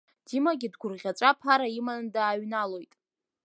Димагьы дгәырӷьаҵәа аԥара иманы дааҩналоит.